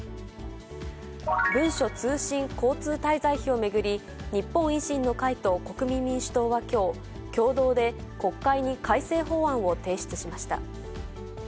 文書通信交通滞在費を巡り、日本維新の会と国民民主党はきょう、共同で国会に改正法案を提出しました。